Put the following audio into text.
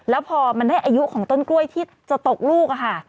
แล้วพอมันได้อายุของต้นกล้วยที่จะตกลูก